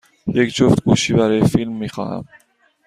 یک جفت گوشی برای فیلم می خواهم.